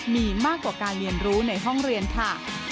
มีมากกว่าการเรียนรู้ในห้องเรียนค่ะ